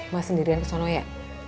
mak sendirian kesana ya